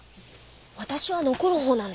私は残るほうなんだ。